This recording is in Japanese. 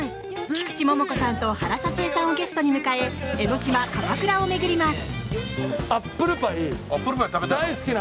菊池桃子さんと原沙知絵さんをゲストに迎え江の島、鎌倉を巡ります。